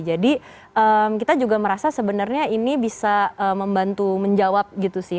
jadi kita juga merasa sebenarnya ini bisa membantu menjawab gitu sih